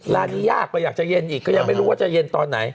ร้านนี้ยากกว่าอยากจะเย็นอีกก็ยังไม่รู้ว่าจะเย็นตอนไหน